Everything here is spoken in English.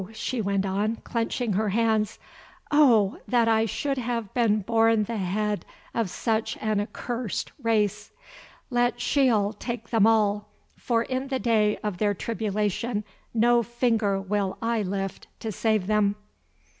she went on, clenching her hands, "oh! that I should have been born the head of such an accursed race. Let Sheol take them all, for in the day of their tribulation no finger will I lift to save them."